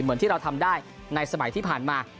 เหมือนที่เราทำได้ในสมัยที่ผ่านมา